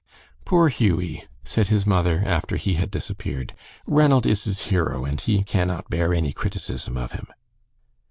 "Poor Hughie!" said his mother, after he had disappeared; "Ranald is his hero, and he cannot bear any criticism of him."